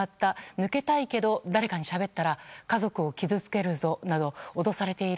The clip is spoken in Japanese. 抜けたいけど誰かにしゃべったら家族を傷つけるぞなど脅されている。